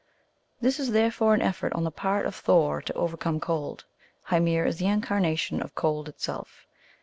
This is therefore an effort on the part of Thor to overcome Cold. Hymir is the incarnation of Cold itself.